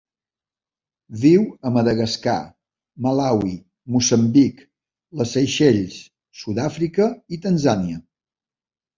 Viu a Madagascar, Malawi, Moçambic, les Seychelles, Sud-àfrica i Tanzània.